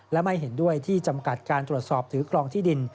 และไม่เห็นด้วยที่จำกัดการตรวจสอบถือครองที่ดิน